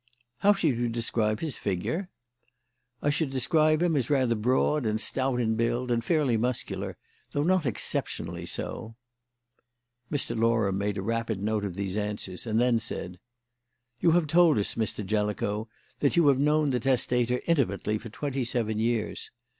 "How should you describe his figure?" "I should describe him as rather broad and stout in build, and fairly muscular, though not exceptionally so." Mr. Loram made a rapid note of these answers, and then said: "You have told us, Mr. Jellicoe, that you have known the testator intimately for twenty seven years.